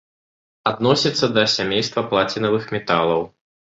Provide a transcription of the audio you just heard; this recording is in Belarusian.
Адносіцца да сямейства плацінавых металаў.